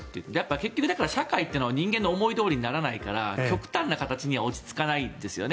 結局、社会というのは人間の思いどおりにならないから極端な形には落ち着かないですよね。